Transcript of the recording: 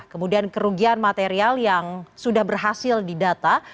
kemudian kerugian material yang sudah berhasil didata